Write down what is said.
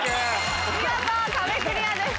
見事壁クリアです。